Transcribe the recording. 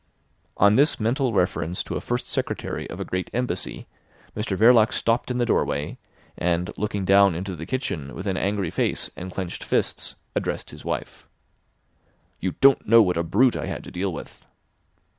On this mental reference to a First Secretary of a great Embassy, Mr Verloc stopped in the doorway, and looking down into the kitchen with an angry face and clenched fists, addressed his wife. "You don't know what a brute I had to deal with."